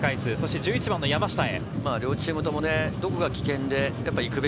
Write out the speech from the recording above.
１１番の山下へ。